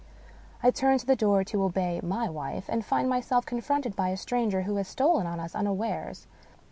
I turn to the door to obey my wife, and find myself confronted by a stranger who has stolen on us unawares.